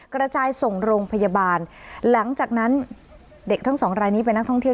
กระจายส่งโรงพยาบาลหลังจากนั้นเด็กทั้งสองรายนี้เป็นนักท่องเที่ยว